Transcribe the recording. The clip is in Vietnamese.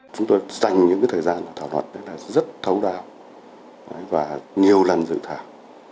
chúng tôi dành những thời gian thảo luật rất thấu đạo và nhiều lần dự thảo